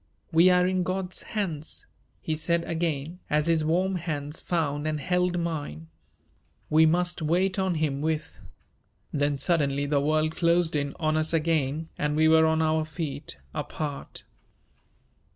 "We are in God's hands," he said again, as his warm hands found and held mine. "We must wait on Him with " Then suddenly the world closed in on us again and we were on our feet apart.